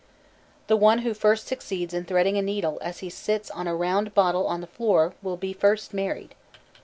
] The one who first succeeds in threading a needle as he sits on a round bottle on the floor, will be first married.